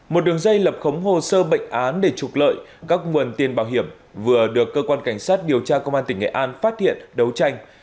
một đường dây lập khống hồ sơ bệnh án để trục lợi các nguồn tiền bảo hiểm vừa được cơ quan cảnh sát điều tra công an tỉnh nghệ an phát hiện đấu tranh